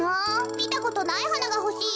みたことないはながほしいな。